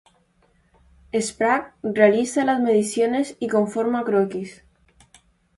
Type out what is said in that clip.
Sprague realiza las mediciones y conforma croquis.